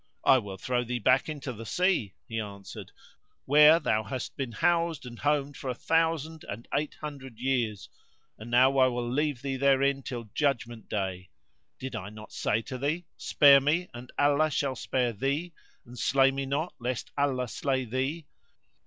"I will throw thee back into the sea," he answered; "where thou hast been housed and homed for a thousand and eight hundred years; and now I will leave thee therein till Judgment day: did I not say to thee:—Spare me and Allah shall spare thee; and slay me not lest Allah slay thee?